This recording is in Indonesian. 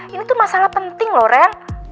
ini tuh masalah penting loh ren